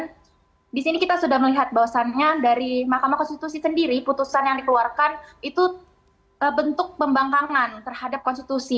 dan di sini kita sudah melihat bahwasannya dari makam konstitusi sendiri putusan yang dikeluarkan itu bentuk pembangkangan terhadap konstitusi